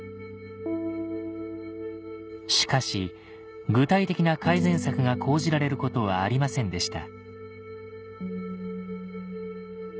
しかし具体的な改善策が講じられることはありませんでした